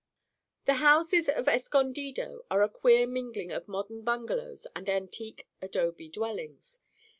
The houses of Escondido are a queer mingling of modern bungalows and antique adobe dwellings.